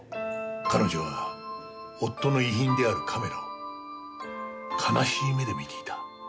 彼女は夫の遺品であるカメラを悲しい目で見ていた。